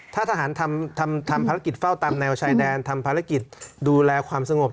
ถ้าทหารทำภารกิจเฝ้าตามแนวชายแดนทำภารกิจดูแลความสงบ